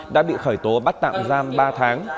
đã bị khởi tố bắt tạm giam ba tháng